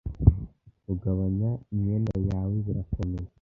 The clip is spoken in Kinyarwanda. kugabanya imyenda yawe birakomeye